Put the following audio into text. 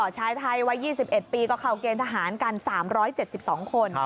ชายไทยวัย๒๑ปีก็เข้าเกณฑ์ทหารกัน๓๗๒คน